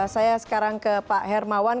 saya sekarang ke pak hermawan